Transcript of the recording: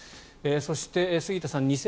そして、杉田さん